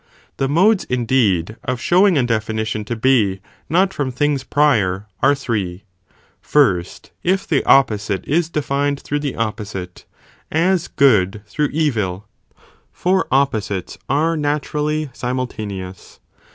The modes indeed (of showing a definition to 5 χοῦ thecon not from things prior, are three, first, if the trary, by the opposite is defined through the opposite, as good ""'*™ through evil, for opposites are naturally simultaneous.